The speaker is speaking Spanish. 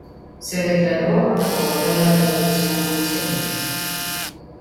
Se declaró a favor de la Revolución Bolchevique.